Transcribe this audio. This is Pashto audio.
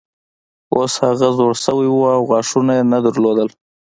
اوس هغه زوړ شوی و او غاښونه یې نه لرل.